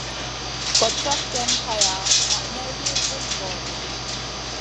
Gòd cad ken haya na may wi bum gòoro ɗi.